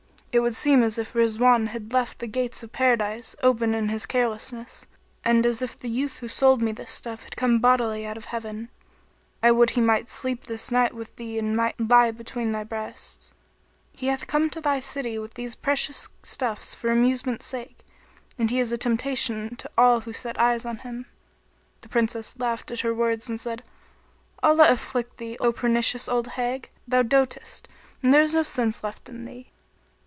It would seem as if Rizwan had left the gates of Paradise open in his carelessness, and as if the youth who sold me this stuff had come bodily out of Heaven. I would he might sleep this night with thee and might lie between thy breasts.[FN#30] He hath come to thy city with these precious stuffs for amusement's sake, and he is a temptation to all who set eyes on him." The Princess laughed at her words and said, "Allah afflict thee, O pernicious old hag! Thou dotest and there is no sense left in thee."